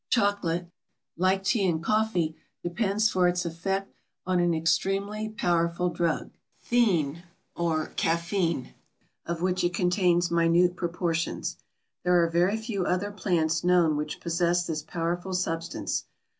Chocolate, like tea and coffee, depends for its effect on an extremely powerful drug, theine or caffeine, of which it contains minute proportions. There are very few other plants known which possess this powerful substance.